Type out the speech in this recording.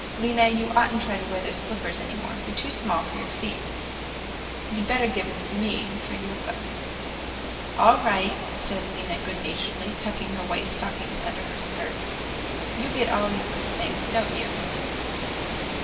"Lena, you ought n't to try to wear those slippers any more. They're too small for your feet. You'd better give them to me for Yulka." "All right," said Lena good naturedly, tucking her white stockings under her skirt. "You get all Yulka's things, don't you?